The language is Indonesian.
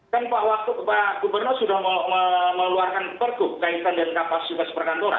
kan pak wak wagub pak gubernur sudah mengeluarkan pergub kaitan dengan kapasitas perkantoran